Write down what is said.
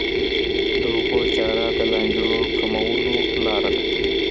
د هغوی چاره د لانجو کمولو لاره ده.